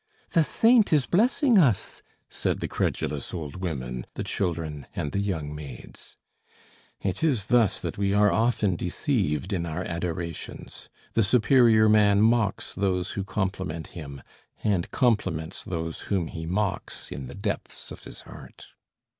"The saint is blessing us!" said the credulous old women, the children and the young maids. It is thus that we are often deceived in our adorations. The superior man mocks those who compliment him, and compliments those whom he mocks in the depths of his heart.